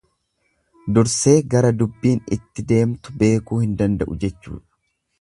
Dursee gara dubbiin itti deemtu beekuu hin danda'u jechuudha.